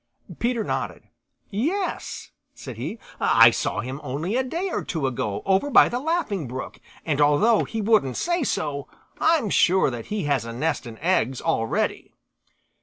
Peter nodded. "Yes," said he. "I saw him only a day or two ago over by the Laughing Brook, and although he wouldn't say so, I'm sure that he has a nest and eggs already."